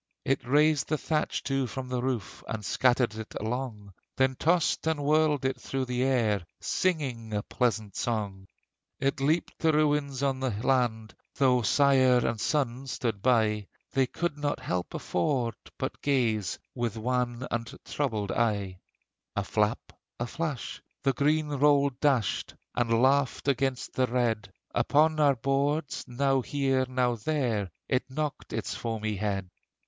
It raised the thatch too from the roof, And scattered it along; Then tossed and whirled it through the air, Singing a pleasant song. It heaped the ruins on the land: Though sire and son stood by, They could no help afford, but gaze With wan and troubled eye! A flap, a flash, the green roll dashed, And laughed against the red; Upon our boards, now here, now there, It knocked its foamy head.